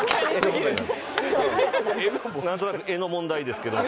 何となく絵の問題ですけど。